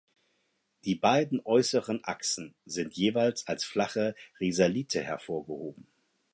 Die beiden äußeren Achsen sind jeweils als flache Risalite hervorgehoben.